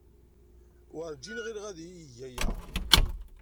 Werjin ɣileɣ ad iyi-yeg aya.